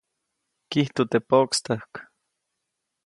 Kijtu teʼ poʼkstäjk.